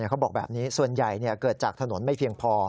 เขาบอกแบบนี้ส่วนใหญ่เกิดจากถนนไม่เพียงพอ